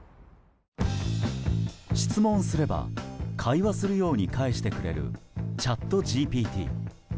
質問すれば会話するように返してくれるチャットＧＰＴ。